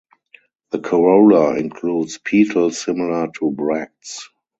The corolla includes petals similar to bracts.